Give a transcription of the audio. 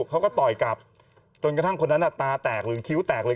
ต่อยกลับจนกระทั่งคนนั้นตาแตกหรือคิ้วแตกเลย